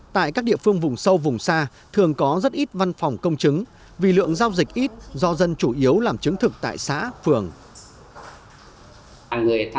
tại các địa phương vùng sâu vùng xa thường có rất ít văn phòng công chứng vì lượng giao dịch ít do dân chủ yếu làm chứng thực tại xã phường